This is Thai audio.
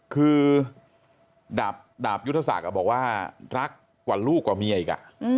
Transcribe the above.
คือดาบยุทธศักดิ์บอกว่ารักกว่าลูกกว่าเมียอีก